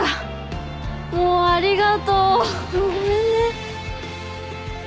もうありがとう！ごめんね。